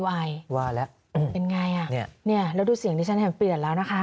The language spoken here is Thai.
ว่าแล้วเป็นยังไงนี่แล้วดูเสียงที่ฉันเห็นเปลี่ยนแล้วนะคะ